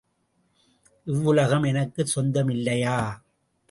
இவ்வுலகம் எனக்குச் சொந்த மில்லையா?